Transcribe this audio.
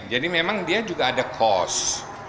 jadi memang dia juga ada cost